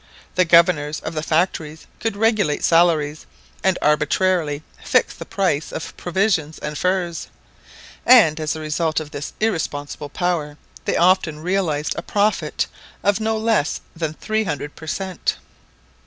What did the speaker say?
The governors of the factories could regulate salaries, and arbitrarily fix the price of provisions and furs; and as a result of this irresponsible power, they often realised a profit of no less than three hundred per cent.